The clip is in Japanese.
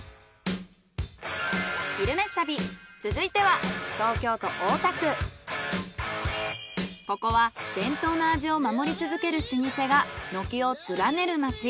「昼めし旅」続いてはここは伝統の味を守り続ける老舗が軒を連ねる街。